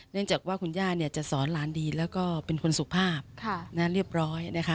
จากว่าคุณย่าจะสอนหลานดีแล้วก็เป็นคนสุภาพเรียบร้อยนะคะ